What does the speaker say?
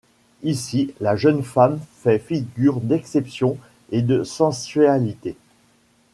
Ici, la jeune femme fait figure d'exception et de sensualité.